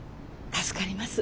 助かります。